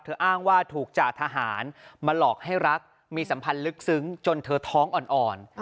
อ้างว่าถูกจ่าทหารมาหลอกให้รักมีสัมพันธ์ลึกซึ้งจนเธอท้องอ่อน